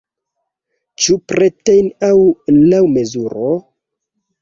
Ĉu pretajn aŭ laŭ mezuro?